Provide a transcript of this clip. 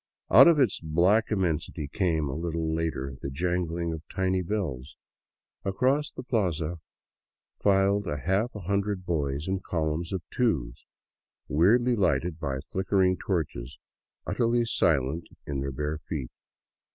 Out of its black immensity came, a little later, the jangling of tiny bells. Across the plaza filed a half hundred boys in column of twos, weirdly lighted by flickering torches, utterly silent in their bare feet.